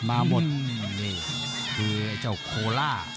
มาหมดนี่คือไอ้เจ้าโคล่า